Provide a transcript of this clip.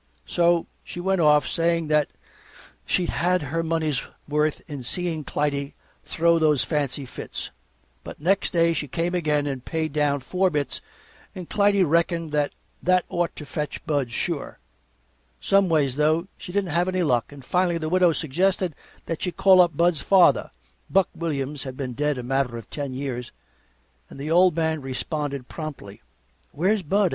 So she went off, saying that she'd had her money's worth in seeing Clytie throw those fancy fits. But next day she came again and paid down four bits, and Clytie reckoned that that ought to fetch Bud sure. Someways though, she didn't have any luck, and finally the Widow suggested that she call up Bud's father Buck Williams had been dead a matter of ten years and the old man responded promptly. "Where's Bud?"